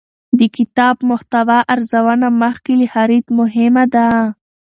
د کتاب محتوا ارزونه مخکې له خرید مهمه ده.